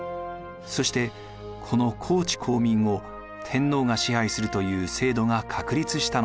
そしてこの公地公民を天皇が支配するという制度が確立したのです。